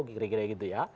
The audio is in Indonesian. gira gira gitu ya